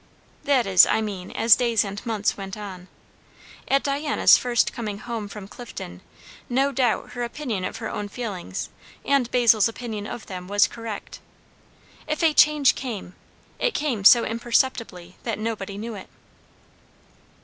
That is, I mean, as days and months went on. At Diana's first coming home from Clifton, no doubt her opinion of her own feelings, and Basil's opinion of them, was correct. If a change came, it came so imperceptibly that nobody knew it.